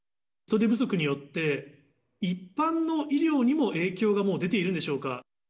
人手不足によって、一般の医療にも影響がもう出ているんでしょうか。